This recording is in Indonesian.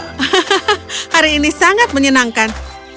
hahaha hari ini sangat menyenangkan